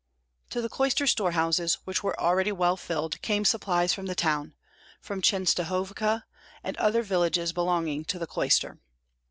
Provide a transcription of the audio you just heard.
To the cloister storehouses, which were already well filled, came supplies from the town, from Chenstohovka and other villages belonging to the cloister.